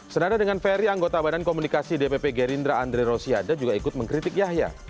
senada dengan ferry anggota badan komunikasi dpp gerindra andre rosiade juga ikut mengkritik yahya